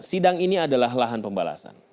sidang ini adalah lahan pembalasan